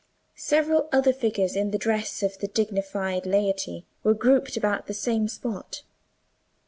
Several other figures in the dress of the dignified laity were grouped about the same spot.